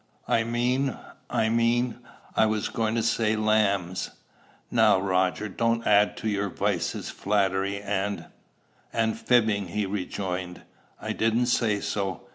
"I meant I mean I was going to say lambs." "Now, Roger, don't add to your vices flattery and" "And fibbing," he subjoined. "I didn't say so."